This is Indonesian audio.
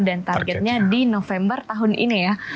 dan targetnya di november tahun ini ya